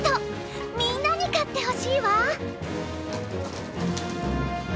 みんなに勝ってほしいわ。